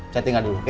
saya tinggal dulu oke